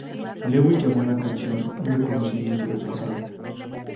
Lewis llamó a la canción "un reconocimiento del pasado.